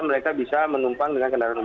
mereka bisa menumpang dengan kendaraan umum